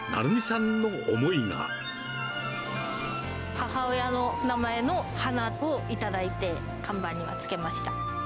母親の名前の花を頂いて、看板にはつけました。